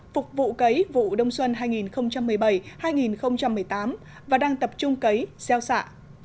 phục vụ cấy vụ đông xuân hai nghìn một mươi bảy hai nghìn một mươi tám và đang tập trung cấy gieo xạ